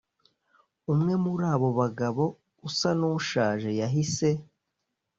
umwe muri abo bagabo usa n’ushaje yahse